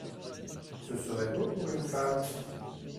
Ce serait beau pour une femme !